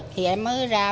thì em mới ra ngoài